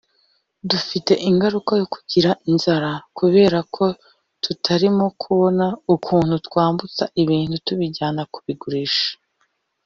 dufite ingaruka yo kugira inzara kubera ko tutarimo kubona ukuntu twambutsa ibintu tubijyana kubigurisha